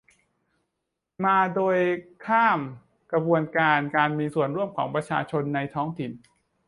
มาโดยข้ามกระบวนการมีส่วนร่วมของประชาชนในท้องถิ่น